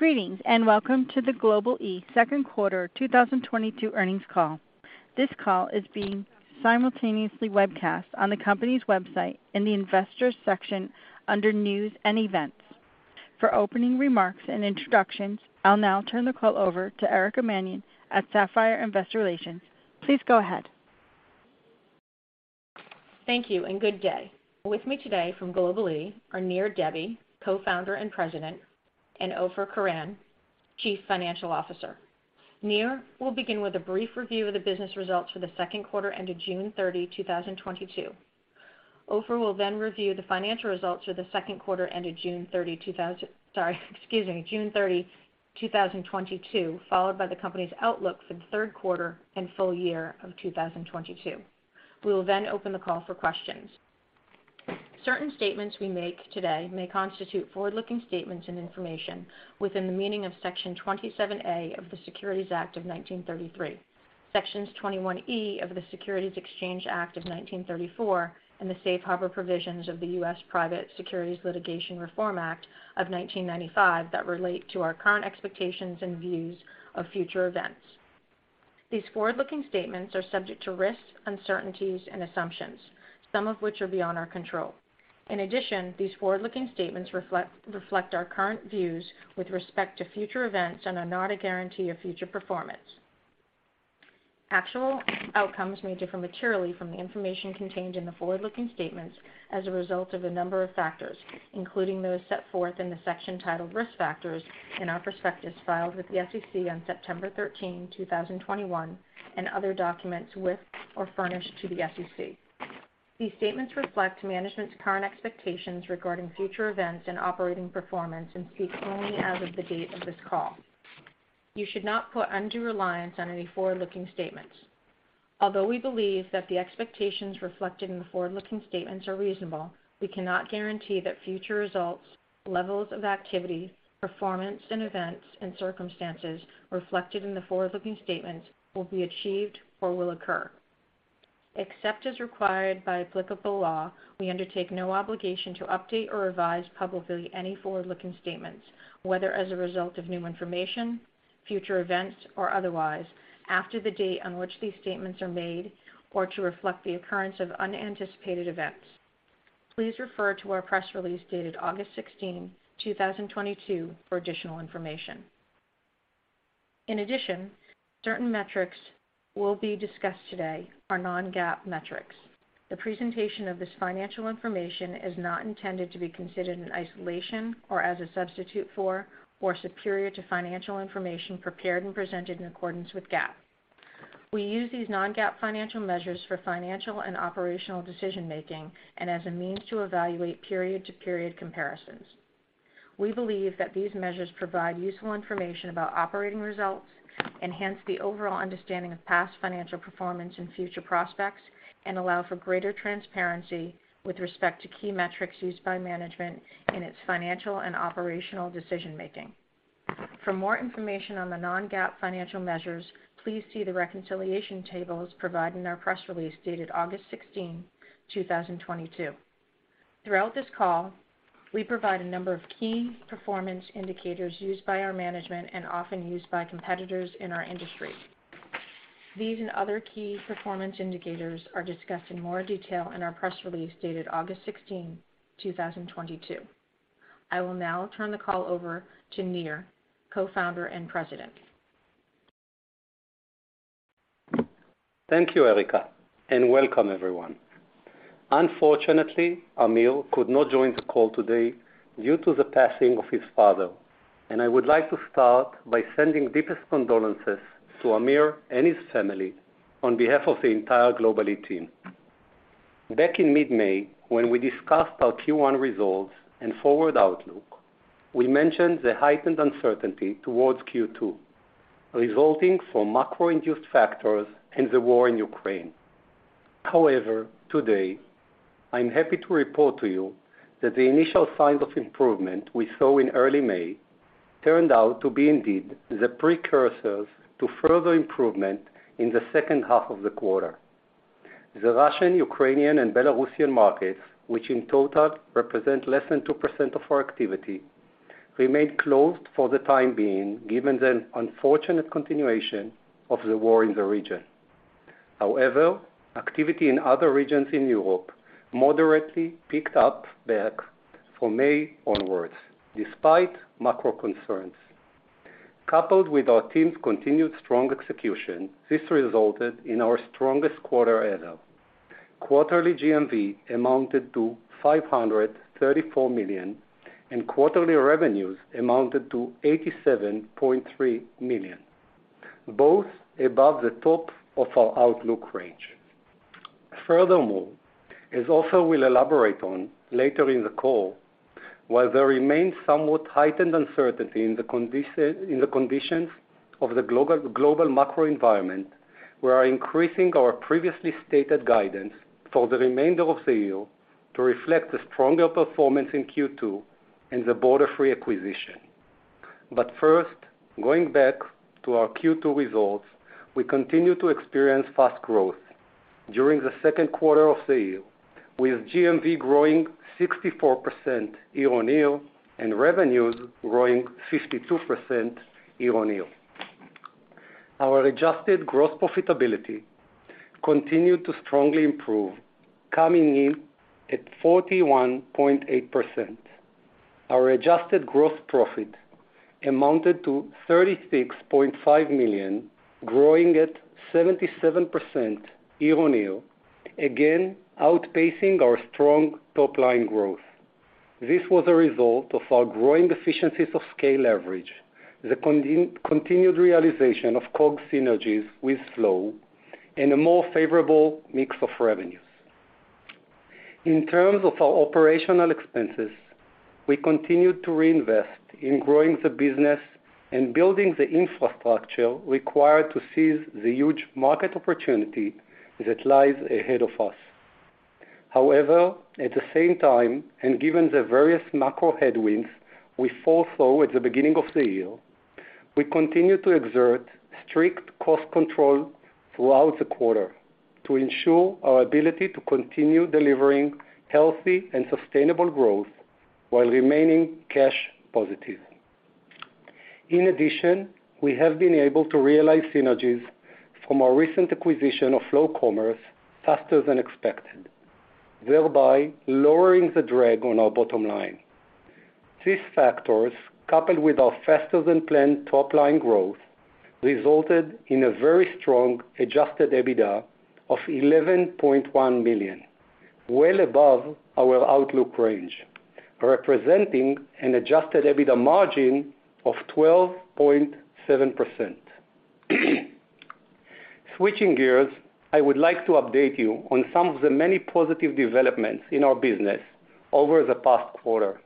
Greetings, and welcome to the Global-e second quarter 2022 earnings call. This call is being simultaneously webcast on the company's website in the Investors section under News and Events. For opening remarks and introductions, I'll now turn the call over to Erica Mannion at Sapphire Investor Relations. Please go ahead. Thank you, and good day. With me today from Global-e are Nir Debbi, Co-founder and President, and Ofer Koren, Chief Financial Officer. Nir will begin with a brief review of the business results for the second quarter ended June 30, 2022. Ofer will then review the financial results for the second quarter ended June 30, 2022, followed by the company's outlook for the third quarter and full year of 2022. We will then open the call for questions. Certain statements we make today may constitute forward-looking statements and information within the meaning of Section 27A of the Securities Act of 1933, Section 21E of the Securities Exchange Act of 1934, and the safe harbor provisions of the U.S. Private Securities Litigation Reform Act of 1995 that relate to our current expectations and views of future events. These forward-looking statements are subject to risks, uncertainties and assumptions, some of which are beyond our control. In addition, these forward-looking statements reflect our current views with respect to future events and are not a guarantee of future performance. Actual outcomes may differ materially from the information contained in the forward-looking statements as a result of a number of factors, including those set forth in the section titled Risk Factors in our prospectus filed with the SEC on September 13, 2021, and other documents with or furnished to the SEC. These statements reflect management's current expectations regarding future events and operating performance and speak only as of the date of this call. You should not put undue reliance on any forward-looking statements. Although we believe that the expectations reflected in the forward-looking statements are reasonable, we cannot guarantee that future results, levels of activity, performance and events and circumstances reflected in the forward-looking statements will be achieved or will occur. Except as required by applicable law, we undertake no obligation to update or revise publicly any forward-looking statements, whether as a result of new information, future events, or otherwise, after the date on which these statements are made or to reflect the occurrence of unanticipated events. Please refer to our press release dated August 16, 2022 for additional information. In addition, certain metrics will be discussed today are non-GAAP metrics. The presentation of this financial information is not intended to be considered in isolation or as a substitute for, or superior to financial information prepared and presented in accordance with GAAP. We use these non-GAAP financial measures for financial and operational decision-making and as a means to evaluate period-to-period comparisons. We believe that these measures provide useful information about operating results, enhance the overall understanding of past financial performance and future prospects, and allow for greater transparency with respect to key metrics used by management in its financial and operational decision-making. For more information on the non-GAAP financial measures, please see the reconciliation tables provided in our press release dated August 16, 2022. Throughout this call, we provide a number of key performance indicators used by our management and often used by competitors in our industry. These and other key performance indicators are discussed in more detail in our press release dated August 16, 2022. I will now turn the call over to Nir, Co-founder and President. Thank you, Erica, and welcome everyone. Unfortunately, Amir could not join the call today due to the passing of his father, and I would like to start by sending deepest condolences to Amir and his family on behalf of the entire Global-e team. Back in mid-May, when we discussed our Q1 results and forward outlook, we mentioned the heightened uncertainty towards Q2, resulting from macro-induced factors and the war in Ukraine. However, today, I'm happy to report to you that the initial signs of improvement we saw in early May turned out to be indeed the precursors to further improvement in the second half of the quarter. The Russian, Ukrainian and Belarusian markets, which in total represent less than 2% of our activity, remained closed for the time being, given the unfortunate continuation of the war in the region. However, activity in other regions in Europe moderately picked up back from May onwards, despite macro concerns. Coupled with our team's continued strong execution, this resulted in our strongest quarter ever. Quarterly GMV amounted to $534 million, and quarterly revenues amounted to $87.3 million, both above the top of our outlook range. Furthermore, as Ofer will elaborate on later in the call, while there remains somewhat heightened uncertainty in the conditions of the global macroenvironment, we are increasing our previously stated guidance for the remainder of the year to reflect the stronger performance in Q2 and the Borderfree acquisition. First, going back to our Q2 results, we continue to experience fast growth. During the second quarter of the year, with GMV growing 64% year-on-year, and revenues growing 52% year-on-year. Our adjusted gross profitability continued to strongly improve, coming in at 41.8%. Our adjusted gross profit amounted to $36.5 million, growing at 77% year-over-year, again, outpacing our strong top-line growth. This was a result of our growing efficiencies of scale average, the continued realization of COGS synergies with Flow, and a more favorable mix of revenues. In terms of our operational expenses, we continued to reinvest in growing the business and building the infrastructure required to seize the huge market opportunity that lies ahead of us. However, at the same time, and given the various macro headwinds we foresaw at the beginning of the year, we continued to exert strict cost control throughout the quarter to ensure our ability to continue delivering healthy and sustainable growth while remaining cash positive. In addition, we have been able to realize synergies from our recent acquisition of Flow Commerce faster than expected, thereby lowering the drag on our bottom line. These factors, coupled with our faster-than-planned top-line growth, resulted in a very strong adjusted EBITDA of $11.1 million, well above our outlook range, representing an adjusted EBITDA margin of 12.7%. Switching gears, I would like to update you on some of the many positive developments in our business over the past quarter.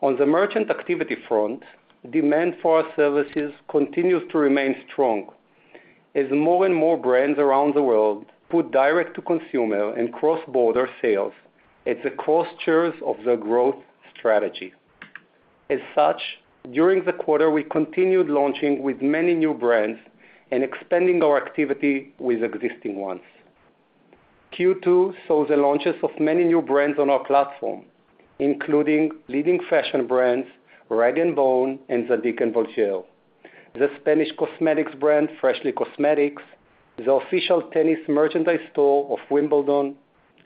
On the merchant activity front, demand for our services continues to remain strong as more and more brands around the world put direct to consumer and cross-border sales at the centers of their growth strategy. As such, during the quarter, we continued launching with many new brands and expanding our activity with existing ones. Q2 saw the launches of many new brands on our platform, including leading fashion brands Rag & Bone and Zadig & Voltaire, the Spanish cosmetics brand Freshly Cosmetics, the official tennis merchandise store of Wimbledon,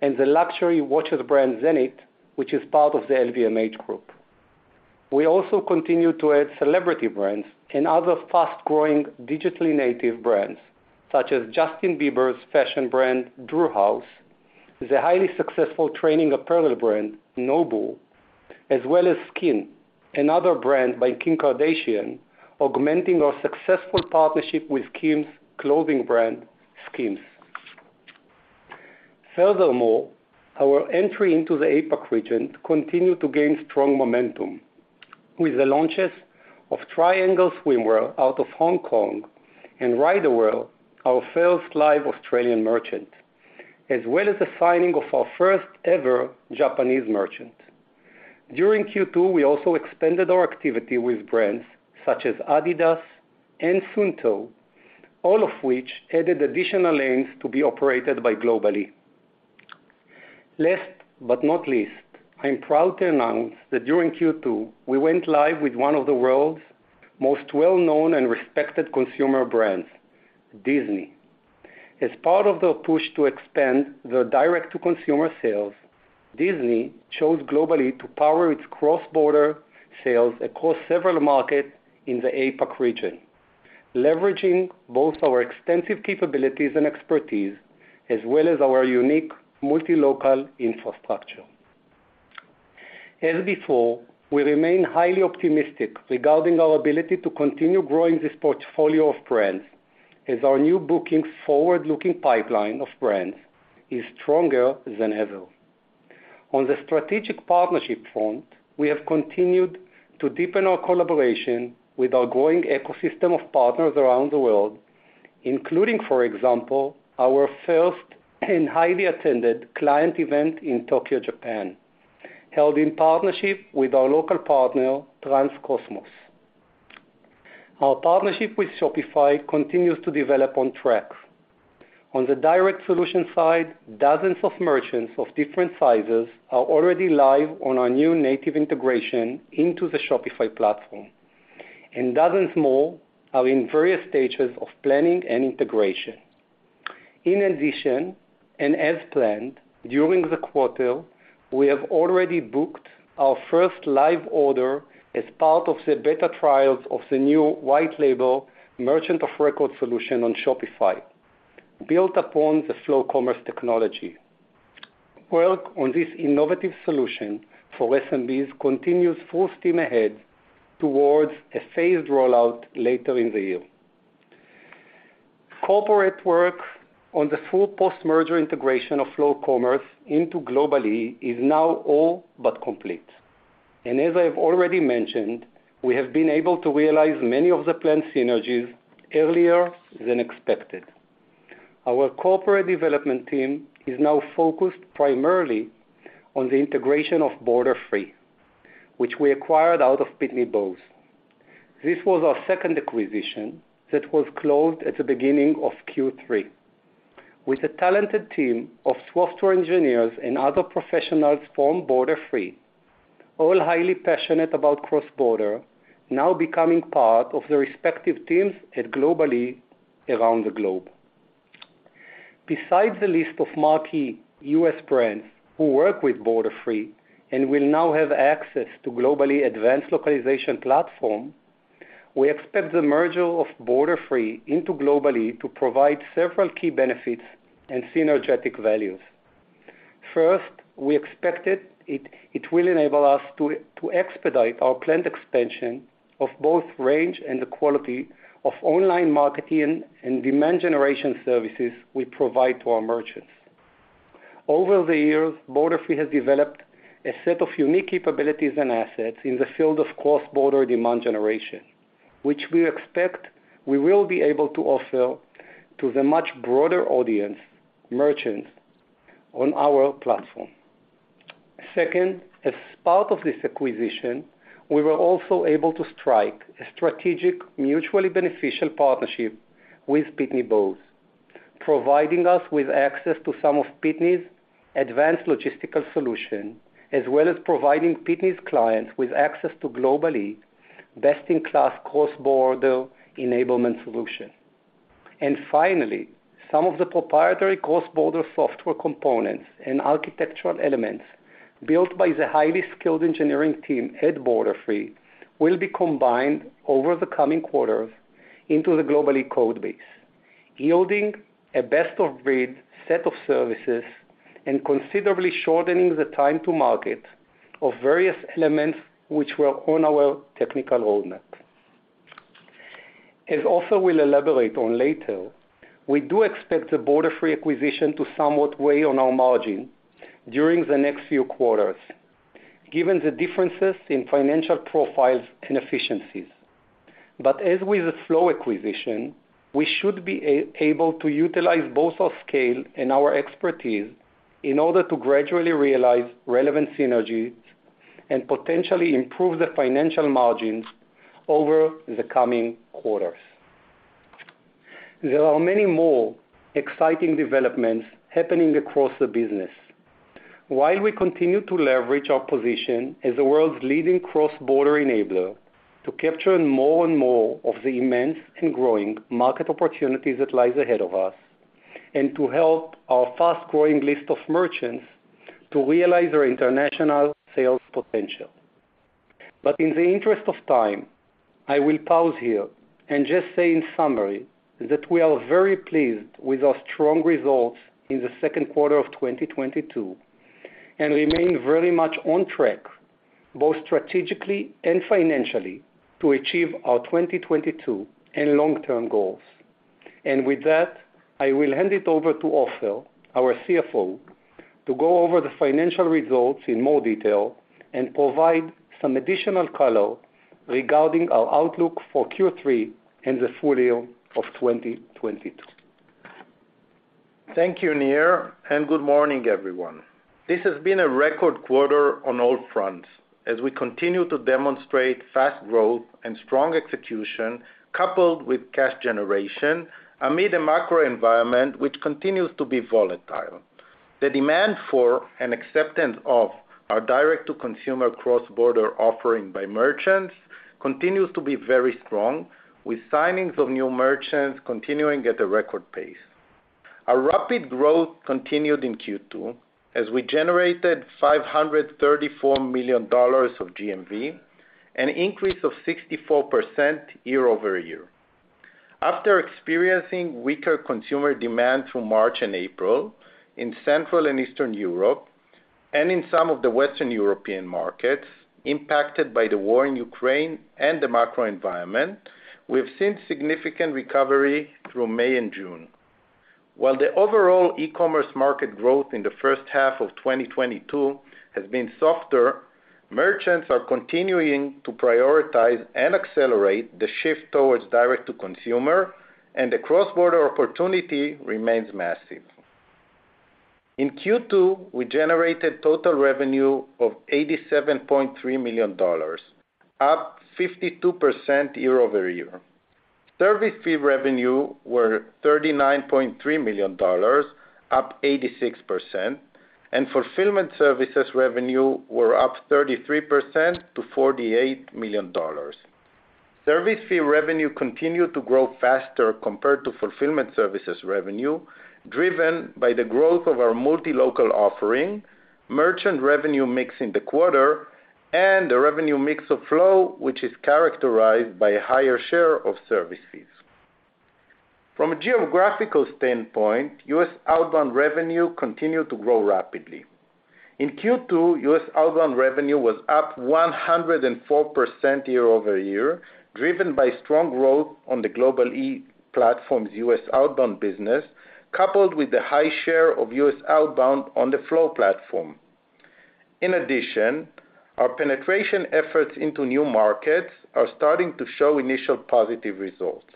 and the luxury watches brand Zenith, which is part of the LVMH group. We also continue to add celebrity brands and other fast-growing digitally native brands, such as Justin Bieber's fashion brand Drew House, the highly successful training apparel brand NOBULL, as well as SKKN, another brand by Kim Kardashian, augmenting our successful partnership with Kim's clothing brand SKIMS. Furthermore, our entry into the APAC region continued to gain strong momentum with the launches of Triangl Swimwear out of Hong Kong and Ryderwear, our first live Australian merchant, as well as the signing of our first-ever Japanese merchant. During Q2, we also expanded our activity with brands such as Adidas and Suunto, all of which added additional lanes to be operated by Global-e. Last but not least, I am proud to announce that during Q2, we went live with one of the world's most well-known and respected consumer brands, Disney. As part of their push to expand their direct-to-consumer sales, Disney chose Global-e to power its cross-border sales across several markets in the APAC region, leveraging both our extensive capabilities and expertise, as well as our unique multi-local infrastructure. As before, we remain highly optimistic regarding our ability to continue growing this portfolio of brands as our new booking forward-looking pipeline of brands is stronger than ever. On the strategic partnership front, we have continued to deepen our collaboration with our growing ecosystem of partners around the world, including, for example, our first and highly attended client event in Tokyo, Japan, held in partnership with our local partner, Transcosmos. Our partnership with Shopify continues to develop on track. On the direct solution side, dozens of merchants of different sizes are already live on our new native integration into the Shopify platform, and dozens more are in various stages of planning and integration. In addition, and as planned, during the quarter, we have already booked our first live order as part of the beta trials of the new white label merchant of record solution on Shopify, built upon the Flow Commerce technology. Work on this innovative solution for SMBs continues full steam ahead towards a phased rollout later in the year. Corporate work on the full post-merger integration of Flow Commerce into Global-E is now all but complete. As I've already mentioned, we have been able to realize many of the planned synergies earlier than expected. Our corporate development team is now focused primarily on the integration of Borderfree, which we acquired out of Pitney Bowes. This was our second acquisition that was closed at the beginning of Q3. With the talented team of software engineers and other professionals from Borderfree, all highly passionate about cross-border, now becoming part of the respective teams at Global-E around the globe. Besides the list of marquee U.S. brands who work with Borderfree and will now have access to Global-E advanced localization platform, we expect the merger of Borderfree into Global-e to provide several key benefits and synergetic values. First, we expect it will enable us to expedite our planned expansion of both range and the quality of online marketing and demand generation services we provide to our merchants. Over the years, Borderfree has developed a set of unique capabilities and assets in the field of cross-border demand generation, which we expect we will be able to offer to the much broader audience, merchants, on our platform. Second, as part of this acquisition, we were also able to strike a strategic, mutually beneficial partnership with Pitney Bowes, providing us with access to some of Pitney's advanced logistical solution, as well as providing Pitney's clients with access to Global-E best-in-class cross-border enablement solution. Finally, some of the proprietary cross-border software components and architectural elements built by the highly skilled engineering team at Borderfree will be combined over the coming quarters into the Global-E code base, yielding a best of breed set of services and considerably shortening the time to market of various elements which were on our technical roadmap. As Ofer will elaborate on later, we do expect the Borderfree acquisition to somewhat weigh on our margin during the next few quarters given the differences in financial profiles and efficiencies. As with the Flow acquisition, we should be able to utilize both our scale and our expertise in order to gradually realize relevant synergies and potentially improve the financial margins over the coming quarters. There are many more exciting developments happening across the business. While we continue to leverage our position as the world's leading cross-border enabler to capture more and more of the immense and growing market opportunities that lies ahead of us and to help our fast-growing list of merchants to realize their international sales potential. In the interest of time, I will pause here and just say in summary that we are very pleased with our strong results in the second quarter of 2022, and remain very much on track, both strategically and financially, to achieve our 2022 and long-term goals. With that, I will hand it over to Ofer, our CFO, to go over the financial results in more detail and provide some additional color regarding our outlook for Q3 and the full year of 2022. Thank you, Nir, and good morning, everyone. This has been a record quarter on all fronts as we continue to demonstrate fast growth and strong execution coupled with cash generation amid a macro environment which continues to be volatile. The demand for and acceptance of our direct-to-consumer cross-border offering by merchants continues to be very strong, with signings of new merchants continuing at a record pace. Our rapid growth continued in Q2, as we generated $534 million of GMV, an increase of 64% year-over-year. After experiencing weaker consumer demand through March and April in Central and Eastern Europe and in some of the Western European markets impacted by the war in Ukraine and the macro environment, we have seen significant recovery through May and June. While the overall e-commerce market growth in the first half of 2022 has been softer, merchants are continuing to prioritize and accelerate the shift towards direct to consumer, and the cross-border opportunity remains massive. In Q2, we generated total revenue of $87.3 million, up 52% year-over-year. Service fee revenue were $39.3 million, up 86%, and fulfillment services revenue were up 33% to $48 million. Service fee revenue continued to grow faster compared to fulfillment services revenue, driven by the growth of our multi-local offering, merchant revenue mix in the quarter, and the revenue mix of Flow, which is characterized by a higher share of service fees. From a geographical standpoint, U.S. outbound revenue continued to grow rapidly. In Q2, U.S. outbound revenue was up 104% year-over-year, driven by strong growth on the Global-e platform's U.S. outbound business, coupled with the high share of US outbound on the Flow platform. In addition, our penetration efforts into new markets are starting to show initial positive results.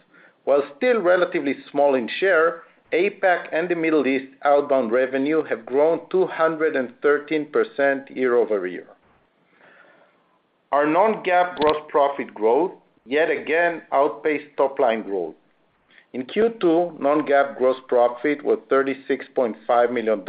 While still relatively small in share, APAC and the Middle East outbound revenue have grown 213% year-over-year. Our non-GAAP gross profit growth yet again outpaced top line growth. In Q2, non-GAAP gross profit was $36.5 million,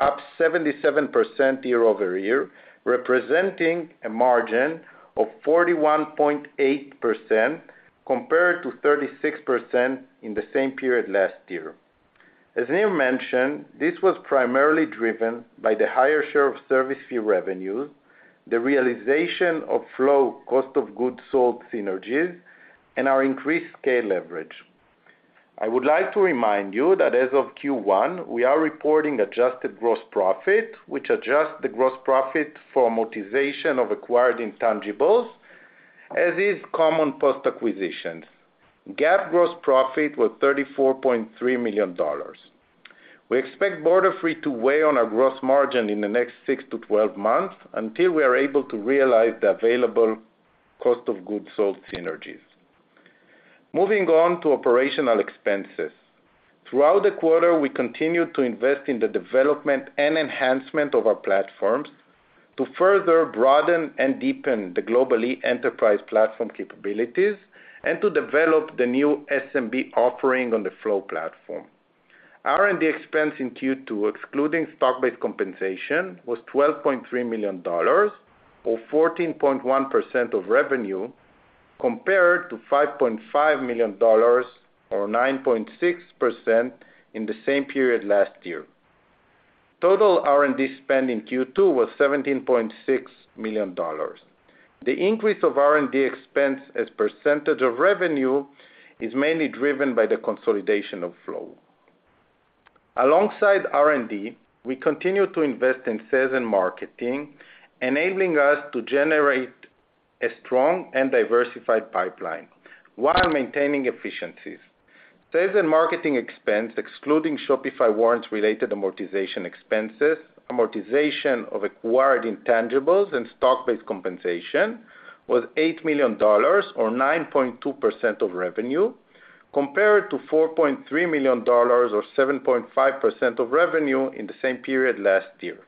up 77% year-over-year, representing a margin of 41.8% compared to 36% in the same period last year. As Nir mentioned, this was primarily driven by the higher share of service fee revenues, the realization of Flow cost of goods sold synergies, and our increased scale leverage. I would like to remind you that as of Q1, we are reporting adjusted gross profit, which adjusts the gross profit for amortization of acquired intangibles, as is common post-acquisition. GAAP gross profit was $34.3 million. We expect Borderfree to weigh on our gross margin in the next six to 12 months until we are able to realize the available cost of goods sold synergies. Moving on to operational expenses. Throughout the quarter, we continued to invest in the development and enhancement of our platforms to further broaden and deepen the Global-E enterprise platform capabilities and to develop the new SMB offering on the Flow platform. R&D expense in Q2, excluding stock-based compensation, was $12.3 million, or 14.1% of revenue, compared to $5.5 million or 9.6% in the same period last year. Total R&D spend in Q2 was $17.6 million. The increase of R&D expense as percentage of revenue is mainly driven by the consolidation of Flow. Alongside R&D, we continue to invest in sales and marketing, enabling us to generate a strong and diversified pipeline while maintaining efficiencies. Sales and marketing expense, excluding Shopify warrants related amortization expenses, amortization of acquired intangibles and stock-based compensation, was $8 million or 9.2% of revenue, compared to $4.3 million or 7.5% of revenue in the same period last year.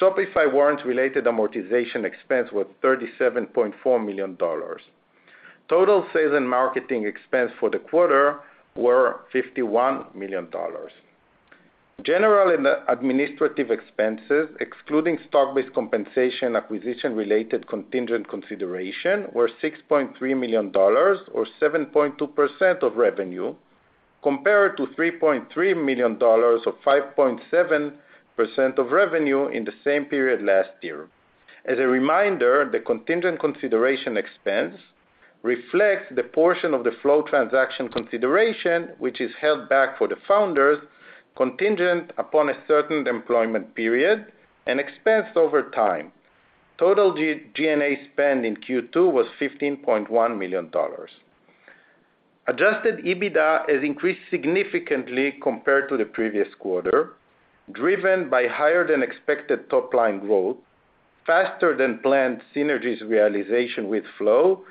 Shopify warrants related amortization expense was $37.4 million. Total sales and marketing expense for the quarter were $51 million. General and administrative expenses, excluding stock-based compensation acquisition related contingent consideration, were $6.3 million or 7.2% of revenue, compared to $3.3 million or 5.7% of revenue in the same period last year. As a reminder, the contingent consideration expense reflects the portion of the Flow transaction consideration which is held back for the founders contingent upon a certain employment period and expensed over time. Total G&A spend in Q2 was $15.1 million. Adjusted EBITDA has increased significantly compared to the previous quarter, driven by higher than expected top-line growth, faster than planned synergies realization with Flow,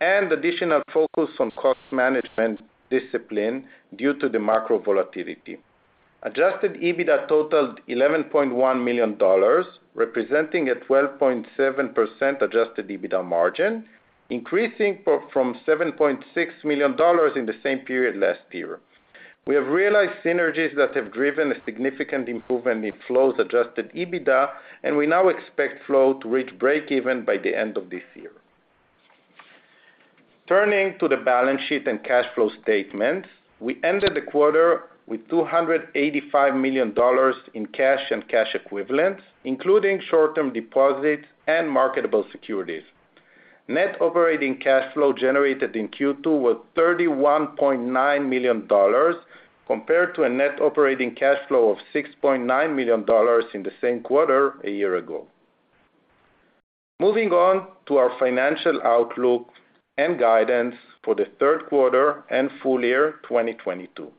and additional focus on cost management discipline due to the macro volatility. Adjusted EBITDA totaled $11.1 million, representing a 12.7% adjusted EBITDA margin, increasing from $7.6 million in the same period last year. We have realized synergies that have driven a significant improvement in Flow's adjusted EBITDA, and we now expect Flow to reach break even by the end of this year. Turning to the balance sheet and cash flow statement. We ended the quarter with $285 million in cash and cash equivalents, including short-term deposits and marketable securities. Net operating cash flow generated in Q2 was $31.9 million, compared to a net operating cash flow of $6.9 million in the same quarter a year ago. Moving on to our financial outlook and guidance for the third quarter and full year 2022.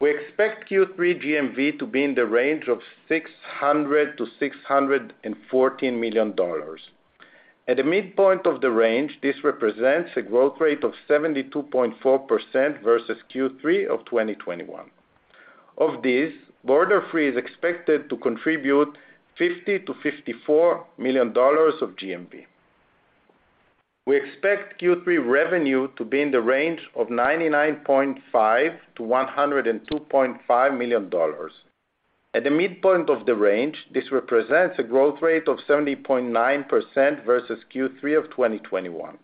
We expect Q3 GMV to be in the range of $600 million-$614 million. At the midpoint of the range, this represents a growth rate of 72.4% versus Q3 of 2021. Of this, Borderfree is expected to contribute $50 million-$54 million of GMV. We expect Q3 revenue to be in the range of $99.5 million-$102.5 million. At the midpoint of the range, this represents a growth rate of 70.9% versus Q3 of 2021.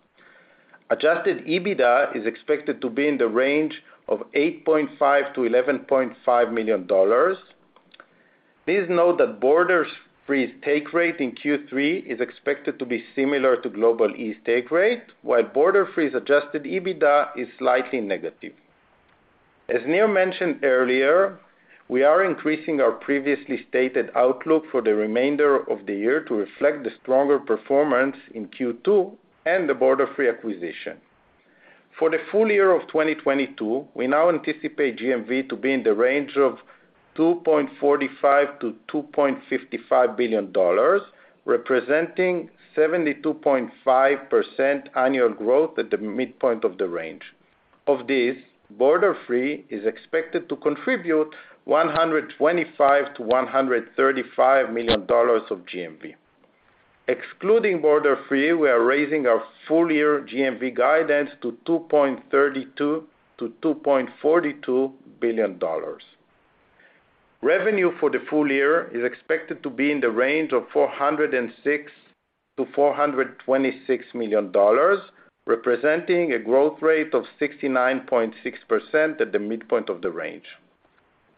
Adjusted EBITDA is expected to be in the range of $8.5 million-$11.5 million. Please note that Borderfree's take rate in Q3 is expected to be similar to Global-E's take rate, while Borderfree's adjusted EBITDA is slightly negative. As Nir mentioned earlier, we are increasing our previously stated outlook for the remainder of the year to reflect the stronger performance in Q2 and the Borderfree acquisition. For the full year of 2022, we now anticipate GMV to be in the range of $2.45 billion-$2.55 billion, representing 72.5% annual growth at the midpoint of the range. Of this, Borderfree is expected to contribute $125 million-$135 million of GMV. Excluding Borderfree, we are raising our full year GMV guidance to $2.32 billion-$2.42 billion. Revenue for the full year is expected to be in the range of $406 million-$426 million, representing a growth rate of 69.6% at the midpoint of the range.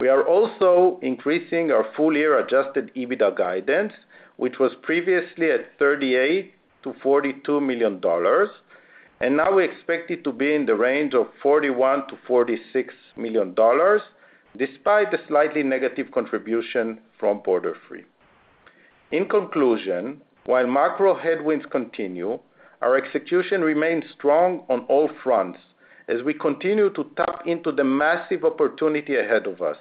We are also increasing our full year adjusted EBITDA guidance, which was previously at $38 million-$42 million, and now we expect it to be in the range of $41 million-$46 million, despite the slightly negative contribution from Borderfree. In conclusion, while macro headwinds continue, our execution remains strong on all fronts as we continue to tap into the massive opportunity ahead of us.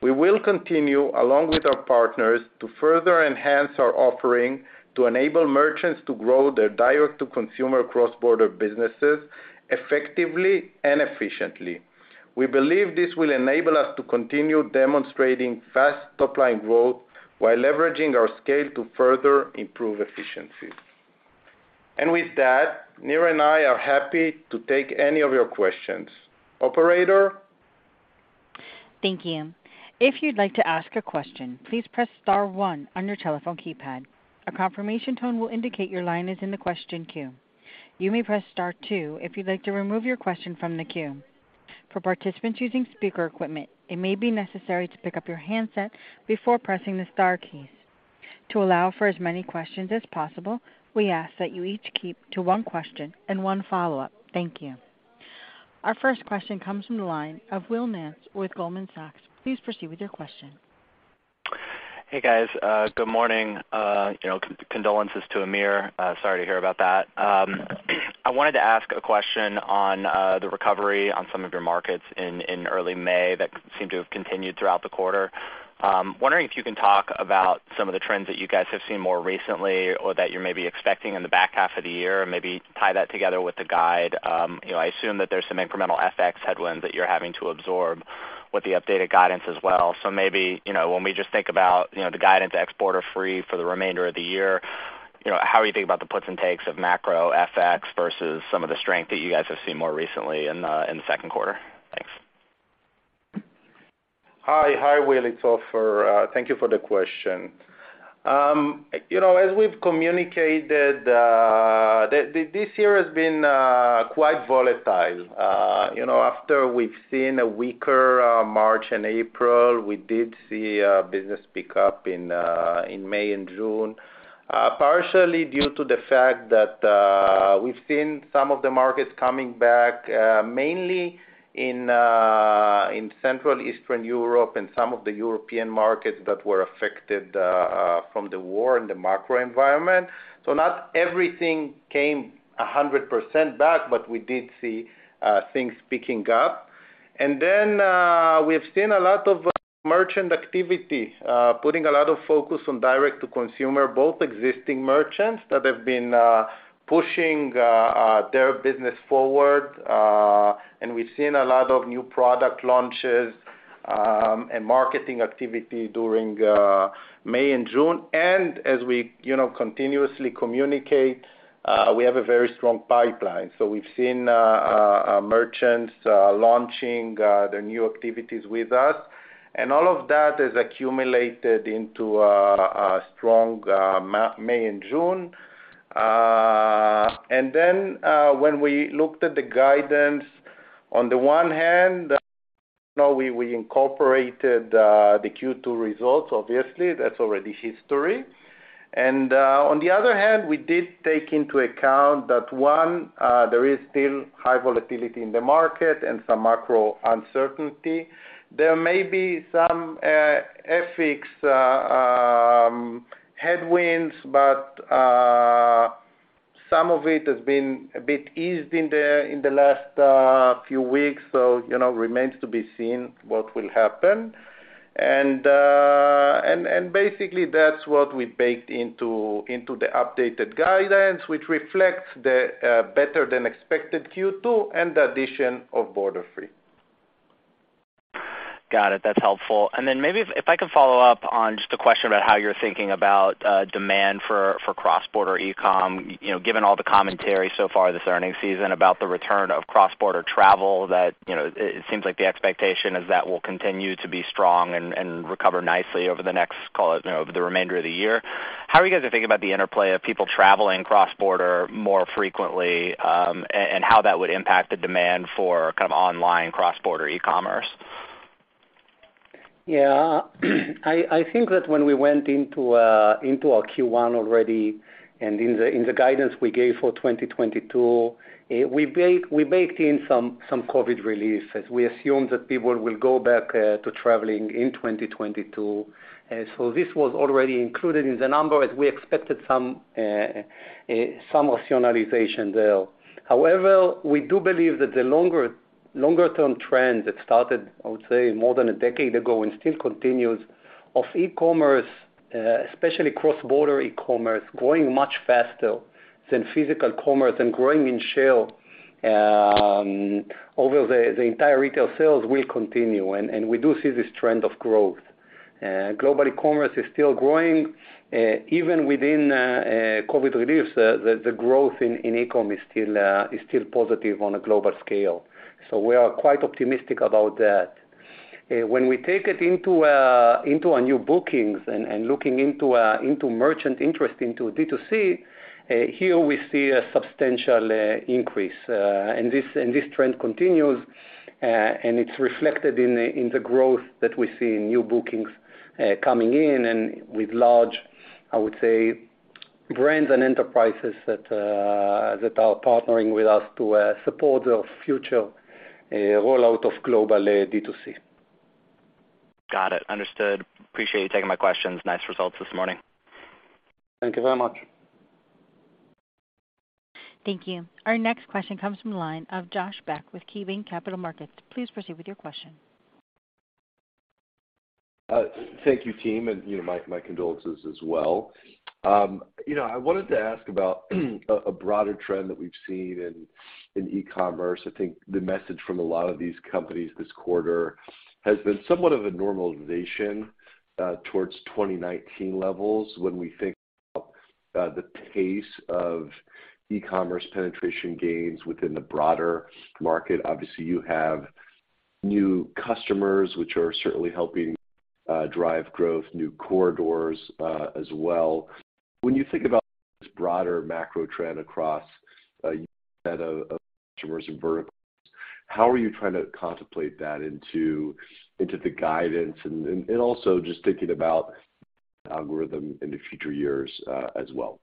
We will continue, along with our partners, to further enhance our offering to enable merchants to grow their direct-to-consumer cross-border businesses effectively and efficiently. We believe this will enable us to continue demonstrating fast top line growth while leveraging our scale to further improve efficiency. With that, Nir and I are happy to take any of your questions. Operator? Thank you. If you'd like to ask a question, please press star one on your telephone keypad. A confirmation tone will indicate your line is in the question queue. You may press star two if you'd like to remove your question from the queue. For participants using speaker equipment, it may be necessary to pick up your handset before pressing the star keys. To allow for as many questions as possible, we ask that you each keep to one question and one follow-up. Thank you. Our first question comes from the line of Will Nance with Goldman Sachs. Please proceed with your question. Hey, guys. Good morning. You know, condolences to Amir. Sorry to hear about that. I wanted to ask a question on the recovery on some of your markets in early May that seemed to have continued throughout the quarter. Wondering if you can talk about some of the trends that you guys have seen more recently or that you're maybe expecting in the back half of the year, and maybe tie that together with the guide. You know, I assume that there's some incremental FX headwinds that you're having to absorb with the updated guidance as well. Maybe, you know, when we just think about, you know, the guidance ex Borderfree for the remainder of the year, you know, how are you thinking about the puts and takes of macro FX versus some of the strength that you guys have seen more recently in the second quarter? Thanks. Hi. Hi, Will. It's Ofer. Thank you for the question. You know, as we've communicated, this year has been quite volatile. You know, after we've seen a weaker March and April, we did see business pick up in May and June, partially due to the fact that we've seen some of the markets coming back, mainly in Central Eastern Europe and some of the European markets that were affected from the war and the macroenvironment. So not everything came 100% back, but we did see things picking up. Then, we've seen a lot of merchant activity putting a lot of focus on direct to consumer, both existing merchants that have been pushing their business forward. We've seen a lot of new product launches and marketing activity during May and June. As we continuously communicate, you know, we have a very strong pipeline. We've seen merchants launching their new activities with us, and all of that has accumulated into a strong May and June. When we looked at the guidance, on the one hand, you know, we incorporated the Q2 results. Obviously, that's already history. On the other hand, we did take into account that, one, there is still high volatility in the market and some macro uncertainty. There may be some FX headwinds, but some of it has been a bit eased in the last few weeks. You know, remains to be seen what will happen. Basically, that's what we baked into the updated guidance, which reflects the better than expected Q2 and the addition of Borderfree. Got it. That's helpful. Then maybe if I could follow up on just a question about how you're thinking about demand for cross-border e-com. You know, given all the commentary so far this earnings season about the return of cross-border travel that, you know, it seems like the expectation is that will continue to be strong and recover nicely over the next, call it, you know, the remainder of the year. How are you guys thinking about the interplay of people traveling cross-border more frequently, and how that would impact the demand for kind of online cross-border e-commerce? Yeah. I think that when we went into our Q1 already, and in the guidance we gave for 2022, we baked in some COVID relief as we assumed that people will go back to traveling in 2022. This was already included in the number as we expected some seasonality there. However, we do believe that the longer-term trend that started, I would say more than a decade ago and still continues of e-commerce, especially cross-border e-commerce, growing much faster than physical commerce and growing in share over the entire retail sales will continue, and we do see this trend of growth. Global e-commerce is still growing, even within COVID relief, the growth in e-comm is still positive on a global scale. We are quite optimistic about that. When we take it into our new bookings and looking into merchant interest into D2C, here we see a substantial increase. This trend continues, and it's reflected in the growth that we see in new bookings coming in and with large, I would say, brands and enterprises that are partnering with us to support their future rollout of global D2C. Got it. Understood. Appreciate you taking my questions. Nice results this morning. Thank you very much. Thank you. Our next question comes from the line of Josh Beck with KeyBanc Capital Markets. Please proceed with your question. Thank you, team, and you know, my condolences as well. You know, I wanted to ask about a broader trend that we've seen in e-commerce. I think the message from a lot of these companies this quarter has been somewhat of a normalization towards 2019 levels. When we think about the pace of e-commerce penetration gains within the broader market, obviously you have new customers which are certainly helping drive growth, new corridors, as well. When you think about this broader macro trend across a set of customers and verticals, how are you trying to contemplate that into the guidance? Also just thinking about algorithm in the future years, as well.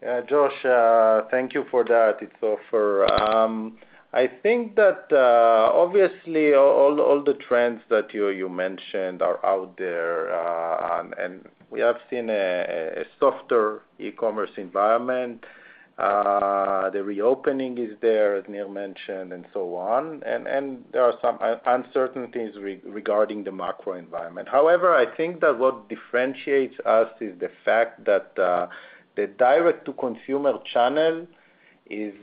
Yeah, Josh, thank you for that. It's Ofer. I think that obviously all the trends that you mentioned are out there, and we have seen a softer e-commerce environment. The reopening is there, as Nir mentioned, and so on. There are some uncertainties regarding the macro environment. However, I think that what differentiates us is the fact that the direct-to-consumer channel is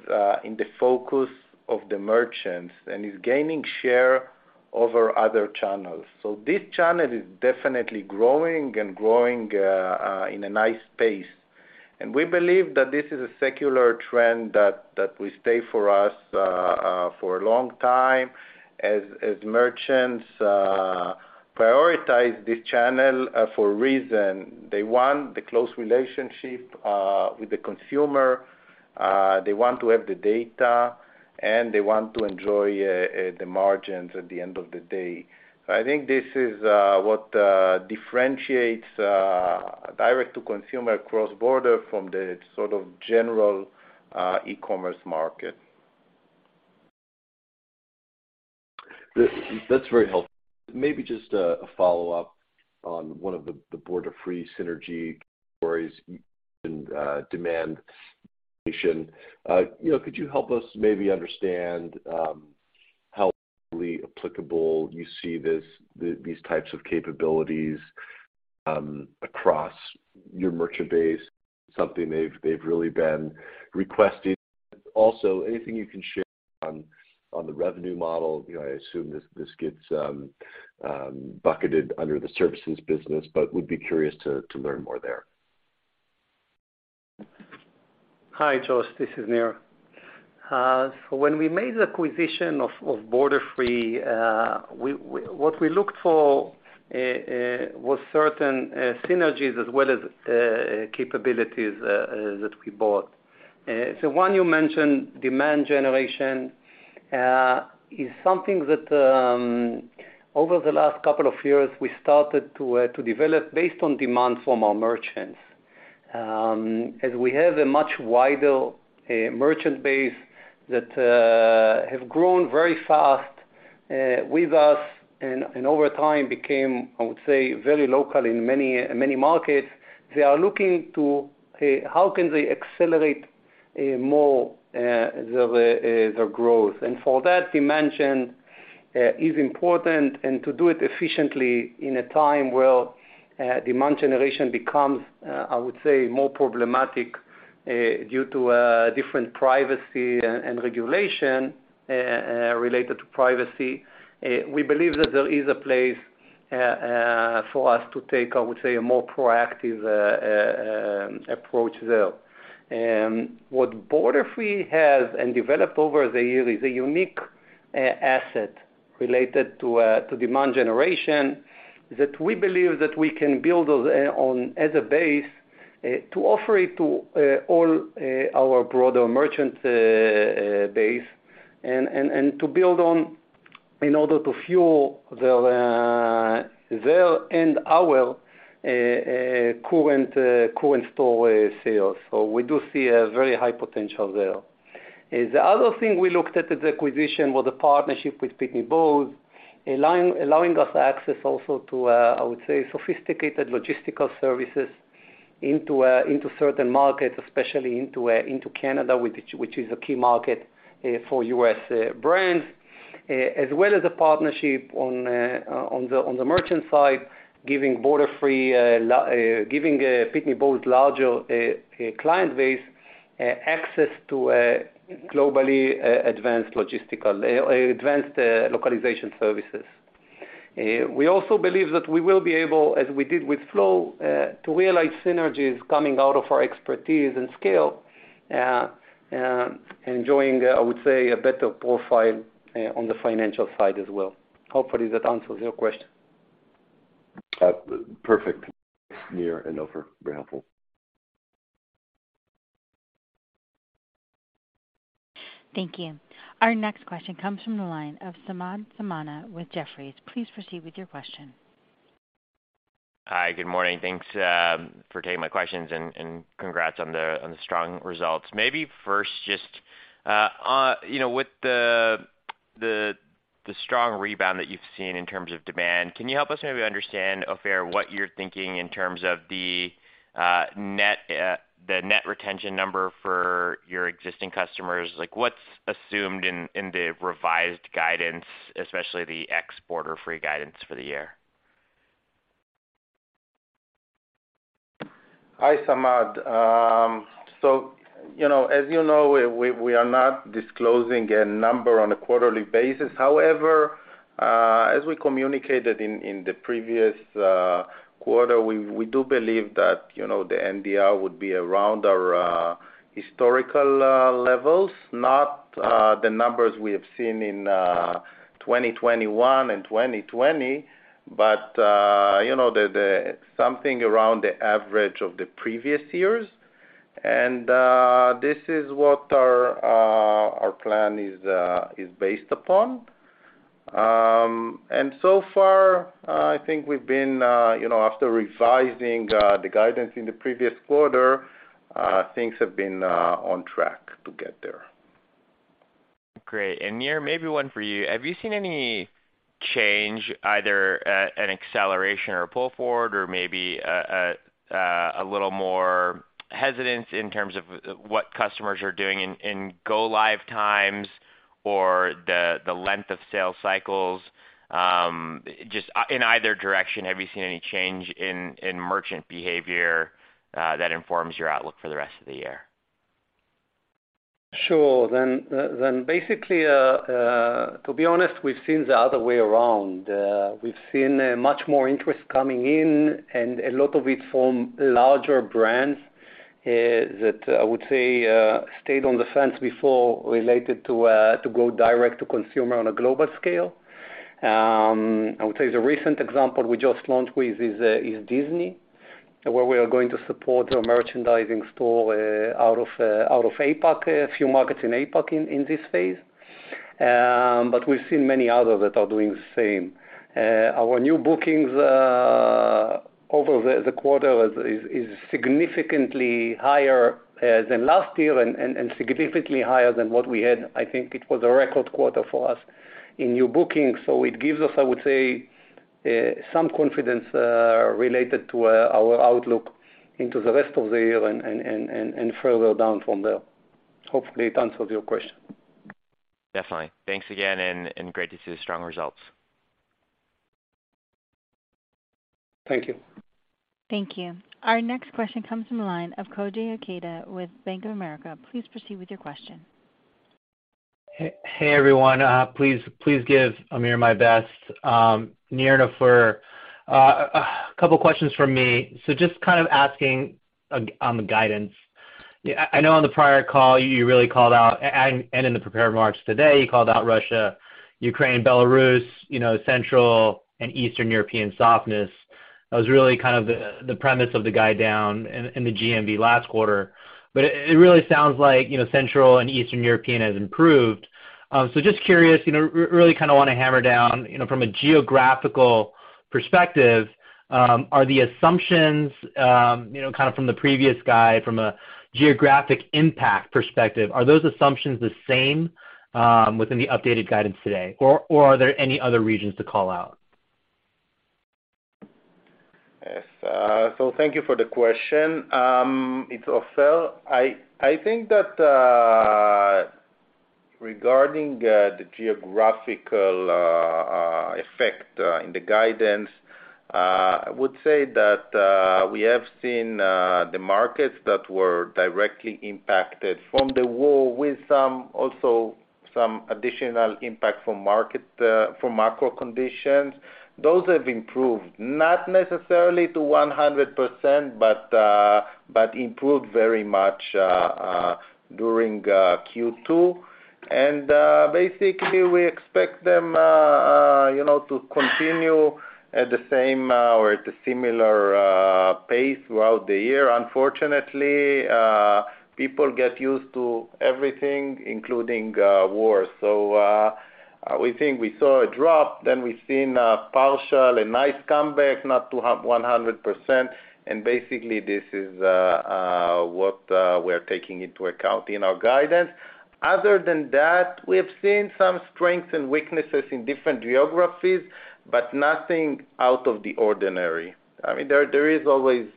in the focus of the merchants and is gaining share over other channels. This channel is definitely growing and growing in a nice pace. We believe that this is a secular trend that will stay for us for a long time as merchants prioritize this channel for a reason. They want the close relationship with the consumer. They want to have the data, and they want to enjoy the margins at the end of the day. I think this is what differentiates direct-to-consumer cross-border from the sort of general e-commerce market. That's very helpful. Maybe just a follow-up on one of the Borderfree synergy categories and demand generation. You know, could you help us maybe understand how applicable you see these types of capabilities across your merchant base, something they've really been requesting? Also, anything you can share on the revenue model? You know, I assume this gets bucketed under the services business, but would be curious to learn more there. Hi, Josh. This is Nir. When we made the acquisition of Borderfree, what we looked for was certain synergies as well as capabilities that we bought. One you mentioned, demand generation, is something that over the last couple of years, we started to develop based on demand from our merchants. As we have a much wider merchant base that have grown very fast with us and over time became, I would say, very local in many, many markets, they are looking to how can they accelerate more their growth. For that dimension is important, and to do it efficiently in a time where demand generation becomes, I would say, more problematic due to different privacy and regulation related to privacy, we believe that there is a place for us to take, I would say, a more proactive approach there. What Borderfree has and developed over the years is a unique asset related to demand generation that we believe that we can build on as a base to offer it to all our broader merchant base and to build on in order to fuel their and our current store sales. We do see a very high potential there. The other thing we looked at the acquisition was a partnership with Pitney Bowes allowing us access also to, I would say, sophisticated logistical services into certain markets, especially into Canada, which is a key market for U.S. brands. As well as a partnership on the merchant side, giving Pitney Bowes' larger client base access to a globally advanced localization services. We also believe that we will be able, as we did with Flow, to realize synergies coming out of our expertise and scale, enjoying, I would say, a better profile on the financial side as well. Hopefully that answers your question. Perfect, Nir and Ofer. Very helpful. Thank you. Our next question comes from the line of Samad Samana with Jefferies. Please proceed with your question. Hi. Good morning. Thanks for taking my questions and congrats on the strong results. Maybe first just you know, with the strong rebound that you've seen in terms of demand, can you help us maybe understand, Ofer, what you're thinking in terms of the net retention number for your existing customers? Like, what's assumed in the revised guidance, especially the ex-Borderfree guidance for the year? Hi, Samad. So, you know, as you know, we are not disclosing a number on a quarterly basis. However, as we communicated in the previous quarter, we do believe that, you know, the NDR would be around our historical levels, not the numbers we have seen in 2021 and 2020, but you know, the something around the average of the previous years. This is what our plan is based upon. So far, I think we've been you know, after revising the guidance in the previous quarter, things have been on track to get there. Great. Nir, maybe one for you. Have you seen any change, either, an acceleration or pull forward or maybe, a little more hesitance in terms of what customers are doing in go-live times or the length of sales cycles? Just in either direction, have you seen any change in merchant behavior that informs your outlook for the rest of the year? Sure. Basically, to be honest, we've seen the other way around. We've seen much more interest coming in and a lot of it from larger brands that I would say stayed on the fence before related to go direct to consumer on a global scale. I would say the recent example we just launched with is Disney, where we are going to support a merchandising store out of APAC, a few markets in APAC in this phase. We've seen many others that are doing the same. Our new bookings over the quarter is significantly higher than last year and significantly higher than what we had. I think it was a record quarter for us in new bookings. It gives us, I would say, some confidence related to our outlook into the rest of the year and further down from there. Hopefully, it answers your question. Definitely. Thanks again, and great to see the strong results. Thank you. Thank you. Our next question comes from the line of Koji Ikeda with Bank of America. Please proceed with your question. Hey, everyone. Please give Amir my best. Nir and Ofer, a couple questions from me. Just kind of asking on the guidance. I know on the prior call you really called out, and in the prepared remarks today, you called out Russia, Ukraine, Belarus, you know, Central and Eastern European softness. That was really kind of the premise of the guide down in the GMV last quarter. But it really sounds like, you know, Central and Eastern European has improved. Just curious, you know, really kind of wanna hammer down, you know, from a geographical perspective, are the assumptions, you know, kind of from the previous guide from a geographic impact perspective, those assumptions the same within the updated guidance today, or are there any other regions to call out? Yes. So thank you for the question. It's Ofer. I think that regarding the geographical effect in the guidance, I would say that we have seen the markets that were directly impacted from the war also with some additional impact from macro conditions. Those have improved, not necessarily to 100%, but improved very much during Q2. Basically, we expect them, you know, to continue at the same or at a similar pace throughout the year. Unfortunately, people get used to everything, including war. We think we saw a drop, then we've seen a partial and nice comeback, not to 100%. Basically, this is what we're taking into account in our guidance. Other than that, we have seen some strengths and weaknesses in different geographies, but nothing out of the ordinary. I mean, there is always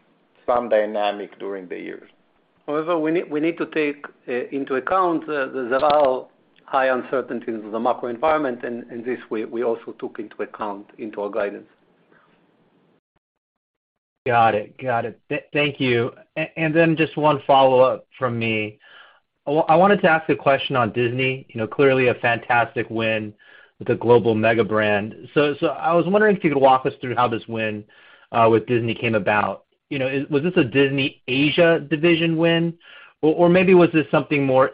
some dynamics during the years. However, we need to take into account the rather high uncertainty of the macro environment and this we also took into account in our guidance. Got it. Thank you. And then just one follow-up from me. I wanted to ask a question on Disney, you know, clearly a fantastic win with a global mega brand. So I was wondering if you could walk us through how this win with Disney came about. You know, was this a Disney Asia division win? Or maybe was this something more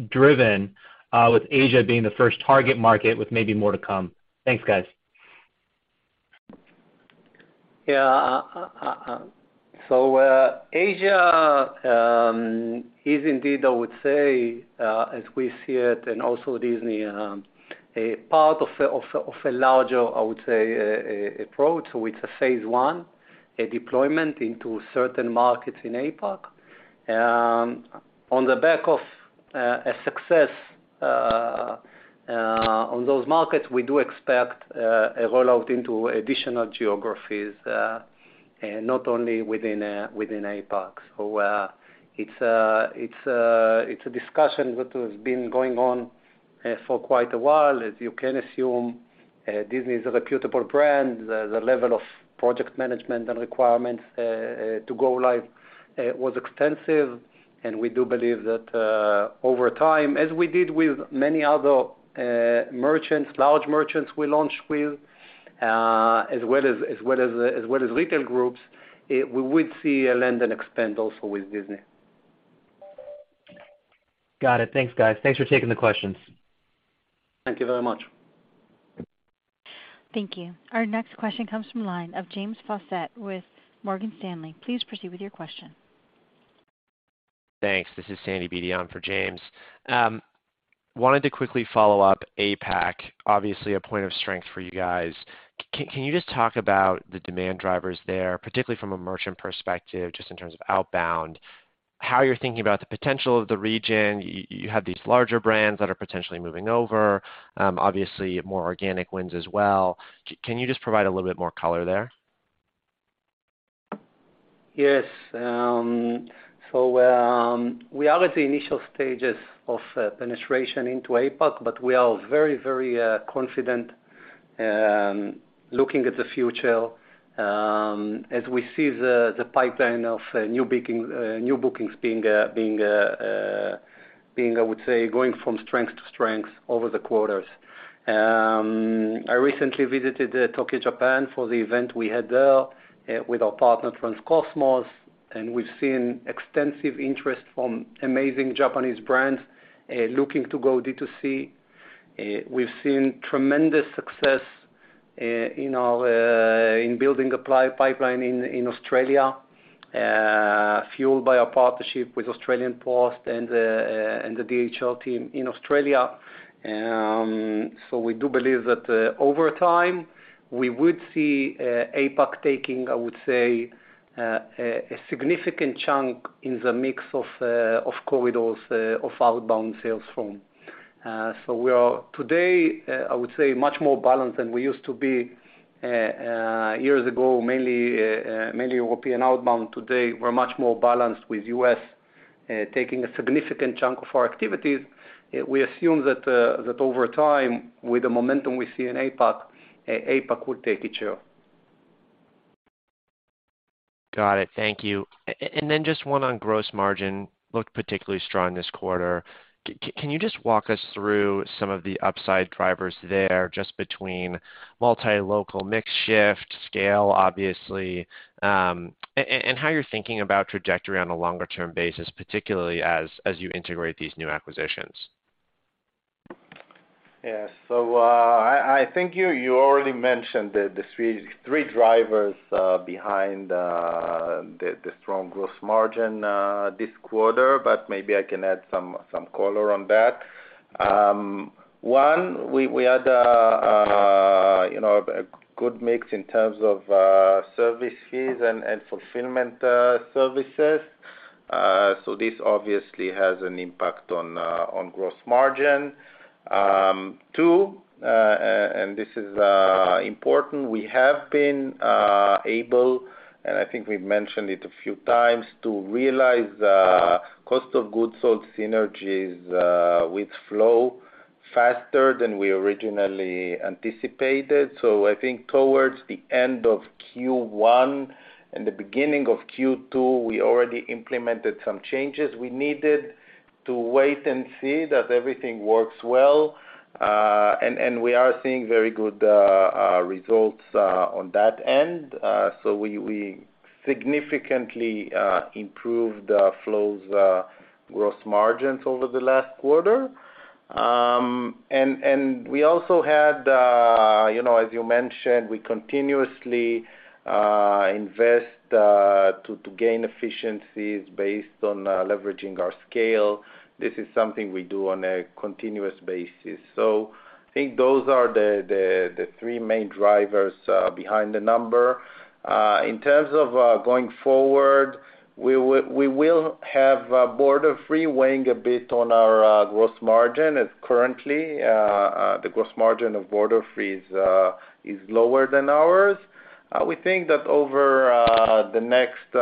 HQ-driven, with Asia being the first target market with maybe more to come? Thanks, guys. Asia is indeed, I would say, as we see it and also Disney a part of a larger, I would say, approach with a phase I deployment into certain markets in APAC. On the back of a success on those markets, we do expect a rollout into additional geographies and not only within APAC. It's a discussion that has been going on for quite a while. As you can assume, Disney is a reputable brand. The level of project management and requirements to go live was extensive. We do believe that over time, as we did with many other merchants, large merchants we launched with, as well as retail groups, we would see a land and expand also with Disney. Got it. Thanks, guys. Thanks for taking the questions. Thank you very much. Thank you. Our next question comes from the line of James Faucette with Morgan Stanley. Please proceed with your question. Thanks. This is Sandy Beatty on for James. Wanted to quickly follow up APAC, obviously a point of strength for you guys. Can you just talk about the demand drivers there, particularly from a merchant perspective, just in terms of outbound, how you're thinking about the potential of the region? You have these larger brands that are potentially moving over, obviously more organic wins as well. Can you just provide a little bit more color there? Yes. We are at the initial stages of penetration into APAC, but we are very confident looking at the future as we see the pipeline of new bookings being, I would say, going from strength to strength over the quarters. I recently visited Tokyo, Japan for the event we had there with our partner transcosmos, and we've seen extensive interest from amazing Japanese brands looking to go D2C. We've seen tremendous success in building a pipeline in Australia fueled by our partnership with Australia Post and the DHL team in Australia. We do believe that over time, we would see APAC taking, I would say, a significant chunk in the mix of corridors of outbound sales. We are today, I would say, much more balanced than we used to be years ago, mainly European outbound. Today, we're much more balanced with U.S. taking a significant chunk of our activities. We assume that over time, with the momentum we see in APAC, APAC will take it through. Got it. Thank you. Just one on gross margin, looked particularly strong this quarter. Can you just walk us through some of the upside drivers there just between multi-local mix shift, scale, obviously, and how you're thinking about trajectory on a longer term basis, particularly as you integrate these new acquisitions? Yeah. I think you already mentioned the three drivers behind the strong gross margin this quarter, but maybe I can add some color on that. One, we had you know a good mix in terms of service fees and fulfillment services. This obviously has an impact on gross margin. Two, and this is important, we have been able, and I think we've mentioned it a few times, to realize cost of goods sold synergies with Flow faster than we originally anticipated. I think towards the end of Q1 and the beginning of Q2, we already implemented some changes. We needed to wait and see that everything works well, and we are seeing very good results on that end. We significantly improved Flow's gross margins over the last quarter. We also had, you know, as you mentioned, we continuously invest to gain efficiencies based on leveraging our scale. This is something we do on a continuous basis. I think those are the three main drivers behind the number. In terms of going forward We will have Borderfree weighing a bit on our gross margin. As currently, the gross margin of Borderfree is lower than ours. We think that over the next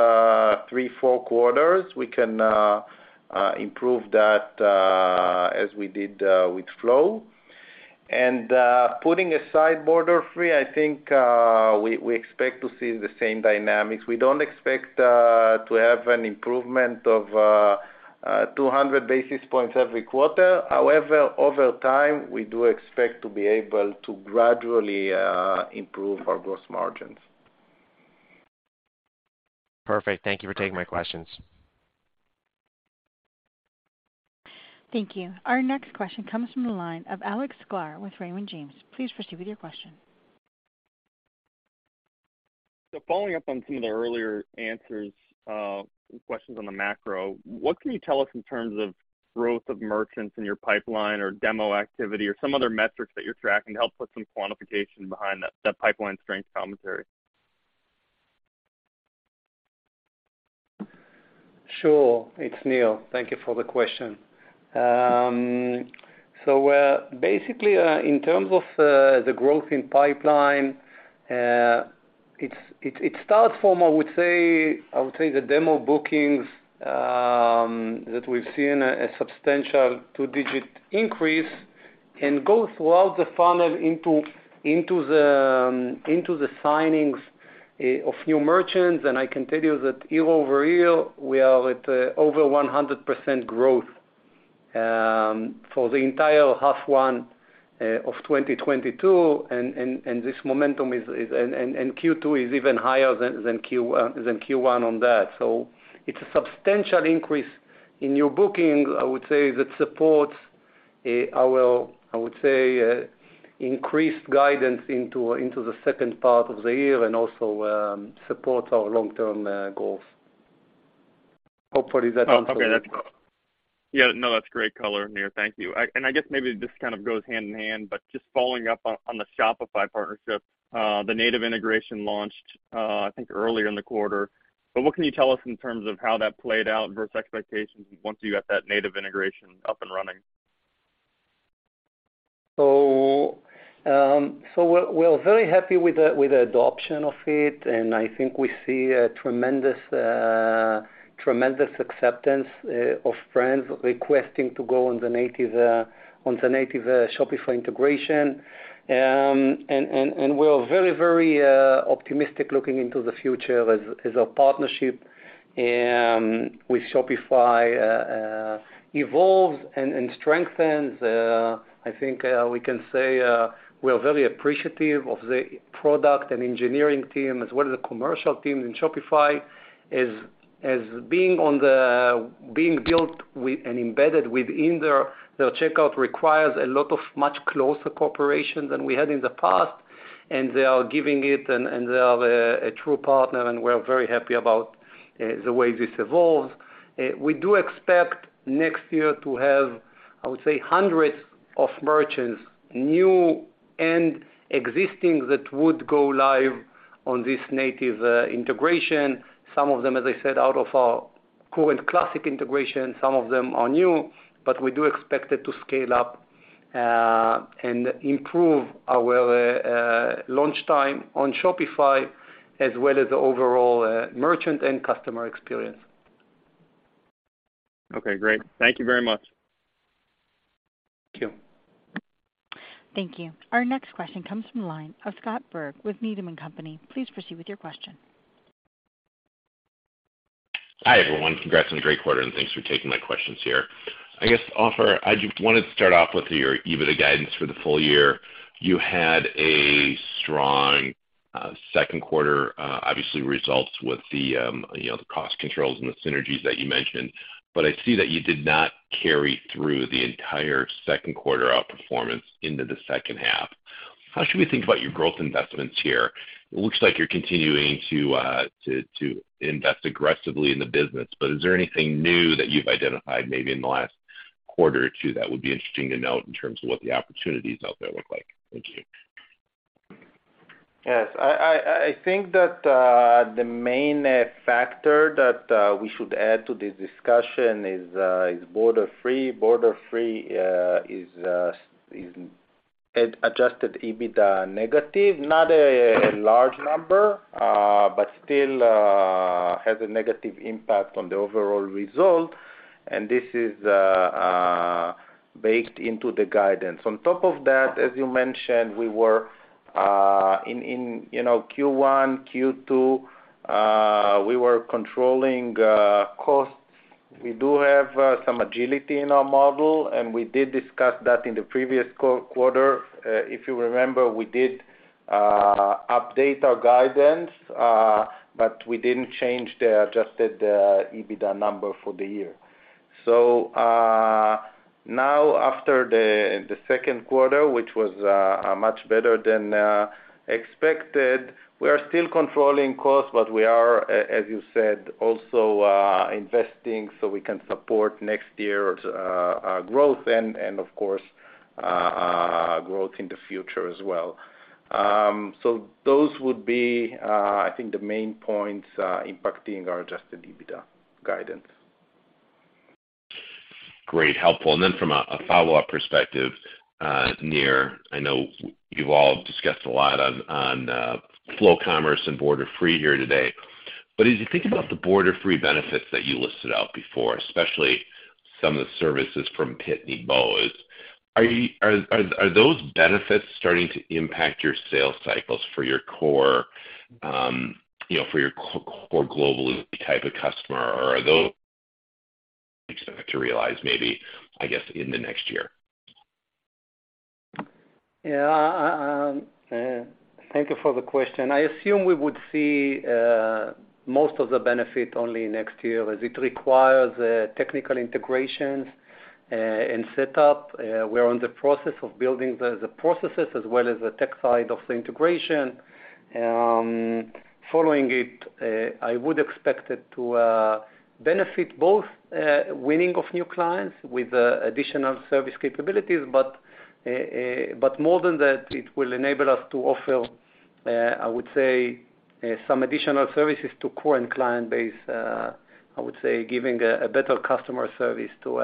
three, four quarters, we can improve that, as we did with Flow. Putting aside Borderfree, I think we expect to see the same dynamics. We don't expect to have an improvement of 200 basis points every quarter. However, over time, we do expect to be able to gradually improve our gross margins. Perfect. Thank you for taking my questions. Thank you. Our next question comes from the line of Alex Sklar with Raymond James. Please proceed with your question. Following up on some of the earlier answers, questions on the macro, what can you tell us in terms of growth of merchants in your pipeline or demo activity or some other metrics that you're tracking to help put some quantification behind that pipeline strength commentary? Sure. It's Nir. Thank you for the question. So, basically, in terms of the growth in pipeline, it starts from, I would say, the demo bookings that we've seen a substantial two-digit increase and go throughout the funnel into the signings of new merchants. I can tell you that year-over-year, we are at over 100% growth for the entire H1 of 2022. This momentum is, and Q2 is even higher than Q1 on that. It's a substantial increase in new booking, I would say, that supports our, I would say, increased guidance into the second part of the year and also supports our long-term goals. Hopefully that answers your question. Oh, okay. That's yeah, no, that's great color, Nir. Thank you. I guess maybe this kind of goes hand in hand, but just following up on the Shopify partnership, the native integration launched, I think earlier in the quarter. What can you tell us in terms of how that played out versus expectations once you got that native integration up and running? We're very happy with the adoption of it, and I think we see a tremendous acceptance of brands requesting to go on the native Shopify integration. We're very optimistic looking into the future as our partnership with Shopify evolves and strengthens. I think we can say we are very appreciative of the product and engineering team as well as the commercial team in Shopify. Being built and embedded within their checkout requires much closer cooperation than we had in the past, and they are giving it, and they are a true partner, and we're very happy about the way this evolves. We do expect next year to have, I would say, hundreds of merchants, new and existing, that would go live on this native integration. Some of them, as I said, out of our current classic integration, some of them are new. We do expect it to scale up, and improve our launch time on Shopify as well as the overall merchant and customer experience. Okay, great. Thank you very much. Thank you. Thank you. Our next question comes from the line of Scott Berg with Needham & Company. Please proceed with your question. Hi, everyone. Congrats on a great quarter, and thanks for taking my questions here. I guess, Ofer, I just wanted to start off with your EBITDA guidance for the full year. You had a strong second quarter, obviously, results with the, you know, the cost controls and the synergies that you mentioned. I see that you did not carry through the entire second quarter outperformance into the second half. How should we think about your growth investments here? It looks like you're continuing to invest aggressively in the business, but is there anything new that you've identified maybe in the last quarter or two that would be interesting to note in terms of what the opportunities out there look like? Thank you. Yes. I think that the main factor that we should add to this discussion is Borderfree. Borderfree is adjusted EBITDA negative. Not a large number, but still, has a negative impact on the overall result, and this is baked into the guidance. On top of that, as you mentioned, we were in Q1, Q2, you know, we were controlling costs. We do have some agility in our model, and we did discuss that in the previous quarter. If you remember, we did update our guidance, but we didn't change the adjusted EBITDA number for the year. Now after the second quarter, which was much better than expected, we are still controlling costs, but we are, as you said, also investing so we can support next year's growth and, of course, Growth in the future as well. Those would be, I think, the main points impacting our adjusted EBITDA guidance. Great, helpful. From a follow-up perspective, Nir, I know you've all discussed a lot on Flow Commerce and Borderfree here today. But as you think about the Borderfree benefits that you listed out before, especially some of the services from Pitney Bowes, are those benefits starting to impact your sales cycles for your core Global-E type of customer? Or are those to realize maybe, I guess, in the next year? Yeah. Thank you for the question. I assume we would see most of the benefit only next year as it requires technical integrations and set up. We're in the process of building the processes as well as the tech side of the integration. Following it, I would expect it to benefit both winning of new clients with additional service capabilities. More than that, it will enable us to offer, I would say, some additional services to current client base, I would say giving a better customer service to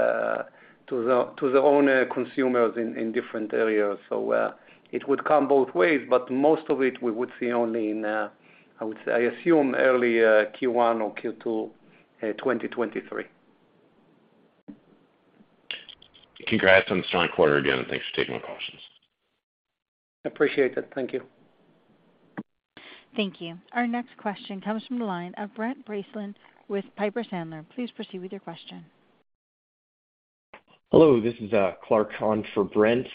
the end consumers in different areas. It would come both ways, but most of it we would see only in, I would say, I assume early Q1 or Q2 2023. Congrats on the strong quarter again, and thanks for taking my questions. Appreciate it. Thank you. Thank you. Our next question comes from the line of Brent Bracelin with Piper Sandler. Please proceed with your question. Hello, this is Clarke on for Brent.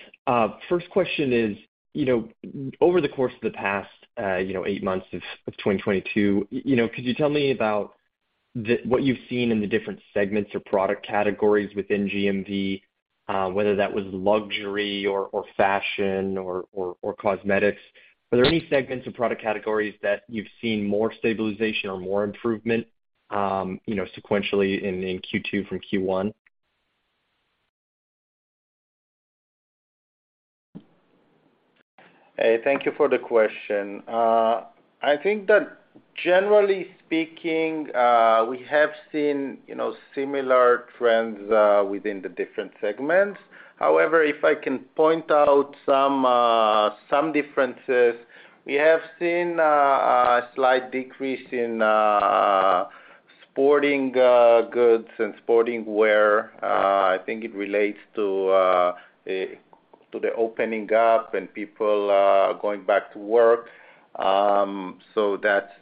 First question is, you know, over the course of the past, you know, eight months of 2022, you know, could you tell me about what you've seen in the different segments or product categories within GMV, whether that was luxury or fashion or cosmetics? Are there any segments or product categories that you've seen more stabilization or more improvement, you know, sequentially in Q2 from Q1? Hey, thank you for the question. I think that generally speaking, we have seen, you know, similar trends within the different segments. However, if I can point out some differences, we have seen a slight decrease in sporting goods and sporting wear. I think it relates to the opening up and people going back to work.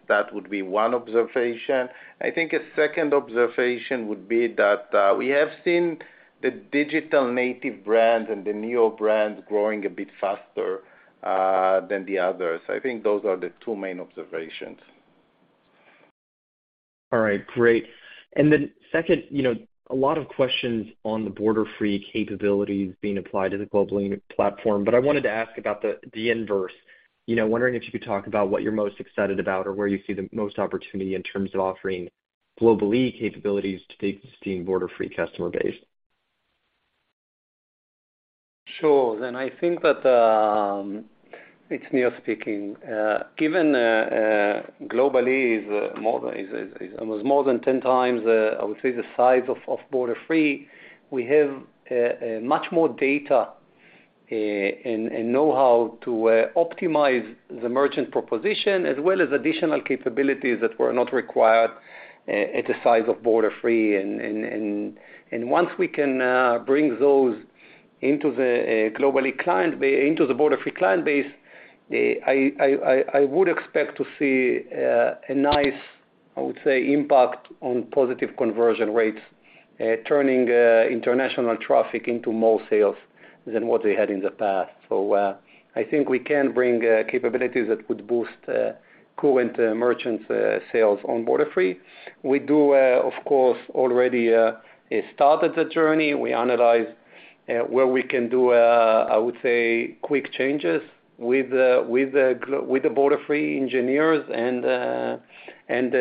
That would be one observation. I think a second observation would be that we have seen the digital native brands and the neo brands growing a bit faster than the others. I think those are the two main observations. All right, great. Second, you know, a lot of questions on the Borderfree capabilities being applied to the Global-E platform. I wanted to ask about the inverse. You know, wondering if you could talk about what you're most excited about or where you see the most opportunity in terms of offering Global-E capabilities to the existing Borderfree customer base. Sure. I think that, It's Nir speaking. Given, Global-E is almost more than 10x, I would say the size of Borderfree, we have much more data and know-how to optimize the merchant proposition as well as additional capabilities that were not required at the size of Borderfree. Once we can bring those into the Global-e client into the Borderfree client base, I would expect to see a nice, I would say, impact on positive conversion rates turning international traffic into more sales than what we had in the past. I think we can bring capabilities that would boost current merchants sales on Borderfree. We do of course already started the journey. We analyze where we can do, I would say quick changes with the Borderfree engineers and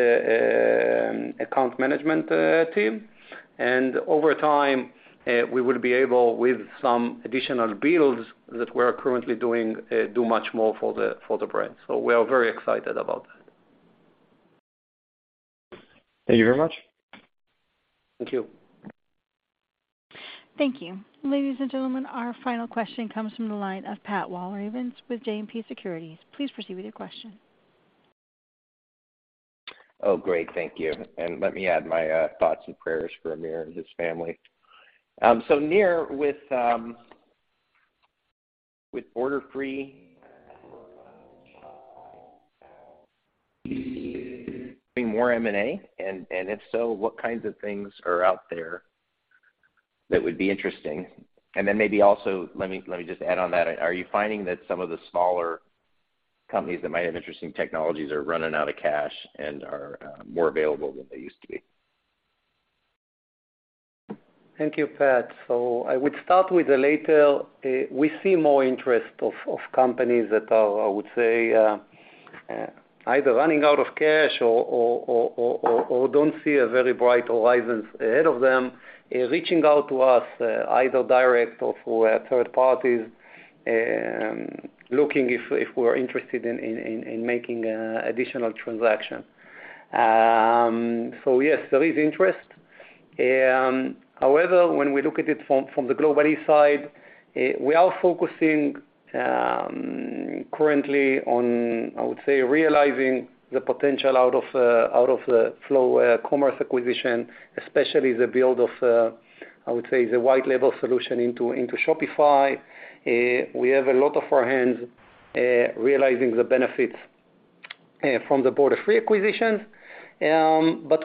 account management team. Over time, we will be able, with some additional builds that we're currently doing, do much more for the brand. We are very excited about that. Thank you very much. Thank you. Thank you. Ladies and gentlemen, our final question comes from the line of Pat Walravens with JMP Securities. Please proceed with your question. Oh, great. Thank you. Let me add my thoughts and prayers for Amir and his family. So Nir, with Borderfree more M&A? If so, what kinds of things are out there that would be interesting? Then maybe also, let me just add on that. Are you finding that some of the smaller companies that might have interesting technologies are running out of cash and are more available than they used to be? Thank you, Pat. I would start with the latter. We see more interest of companies that are, I would say, either running out of cash or don't see a very bright horizons ahead of them reaching out to us, either directly or through third parties, looking if we're interested in making additional transaction. Yes, there is interest. However, when we look at it from the Global-E side, we are focusing currently on, I would say, realizing the potential out of the Flow Commerce acquisition, especially the build of the white label solution into Shopify. We have a lot on our hands realizing the benefits from the Borderfree acquisitions.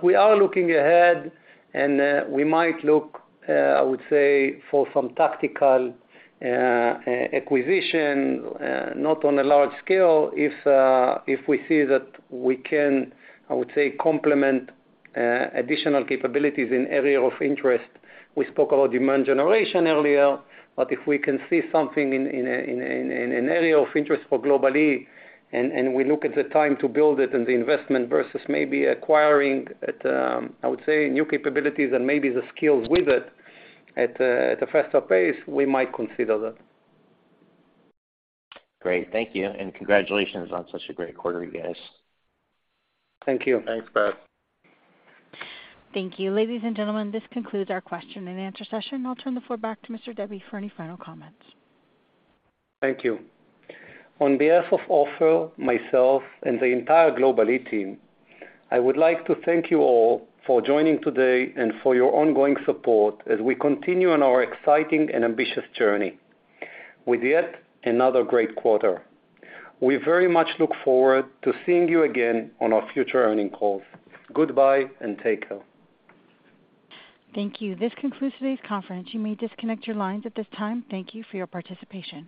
We are looking ahead, and we might look, I would say, for some tactical acquisition, not on a large scale if we see that we can, I would say, complement additional capabilities in area of interest. We spoke about demand generation earlier, but if we can see something in an area of interest for Global-E and we look at the time to build it and the investment versus maybe acquiring, I would say, new capabilities and maybe the skills with it at a faster pace, we might consider that. Great. Thank you, and congratulations on such a great quarter, you guys. Thank you. Thanks, Pat. Thank you. Ladies and gentlemen, this concludes our question-and-answer session. I'll turn the floor back to Mr. Debbi for any final comments. Thank you. On behalf of Ofer, myself, and the entire Global-E team, I would like to thank you all for joining today and for your ongoing support as we continue on our exciting and ambitious journey with yet another great quarter. We very much look forward to seeing you again on our future earnings calls. Goodbye and take care. Thank you. This concludes today's conference. You may disconnect your lines at this time. Thank you for your participation.